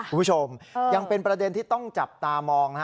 คุณผู้ชมยังเป็นประเด็นที่ต้องจับตามอง